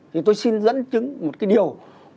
thì tôi xin dẫn chứng một cái điều